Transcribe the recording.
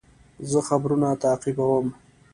زه خبرونه تعقیبوم.